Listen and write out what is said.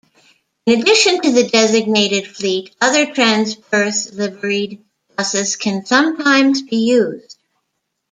In addition to the designated fleet, other Transperth liveried buses can sometimes be used.